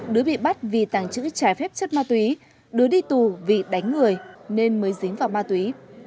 đứa bị bắt vì tàng trữ trái phép chất ma túy đứa đi tù vì đánh người nên mới dính vào ma túy